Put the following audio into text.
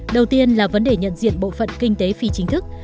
đầu tiên là vấn đề nhận diện bộ phận kinh tế phi chính thức